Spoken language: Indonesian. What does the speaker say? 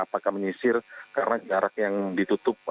apakah menyisir karena jarak yang ditutup